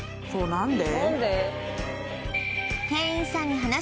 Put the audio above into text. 何で？